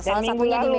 dari minggu lalu